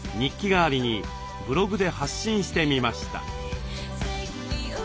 代わりにブログで発信してみました。